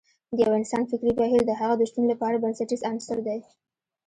د يو انسان فکري بهير د هغه د شتون لپاره بنسټیز عنصر دی.